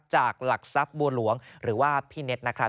จากหลักทรัพย์บัวหลวงหรือว่าพี่เน็ตนะครับ